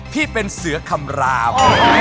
ที่เป็นเสือคำราม